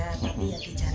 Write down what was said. tapi yang di jalan itu